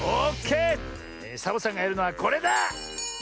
サボさんがやるのはこれだ！